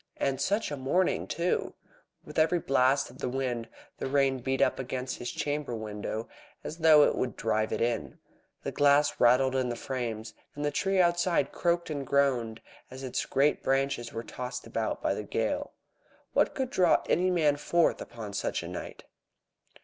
And such a morning, too! With every blast of the wind the rain beat up against his chamber window as though it would drive it in. The glass rattled in the frames, and the tree outside creaked and groaned as its great branches were tossed about by the gale. What could draw any man forth upon such a night?